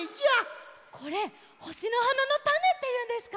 これほしのはなのタネっていうんですか？